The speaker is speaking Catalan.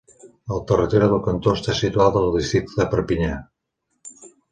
El territori del cantó està situat al districte de Perpinyà.